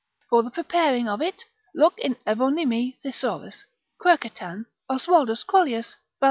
For the preparing of it, look in Evonimi thesaurus, Quercetan, Oswaldus Crollius, Basil.